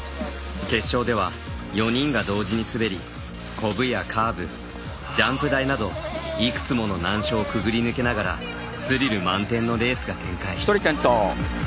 決勝では、４人が同時に滑りこぶやカーブ、ジャンプ台などいくつもの難所をくぐり抜けながらスリル満点のレースが展開。